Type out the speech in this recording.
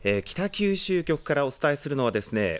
北九州局からお伝えするのはですね